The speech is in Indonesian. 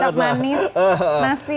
kecap manis nasi